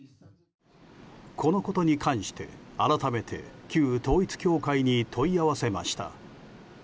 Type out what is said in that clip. このことに関して、改めて旧統一教会に問い合わせました。